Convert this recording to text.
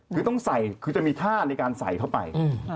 คือต้องใส่คือจะมีท่าในการใส่เข้าไป